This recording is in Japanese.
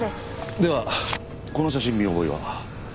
ではこの写真に見覚えは？